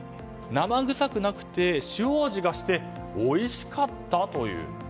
生臭くなくて、塩味がしておいしかったという。